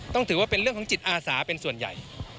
ถือว่าเป็นเรื่องของจิตอาสาเป็นส่วนใหญ่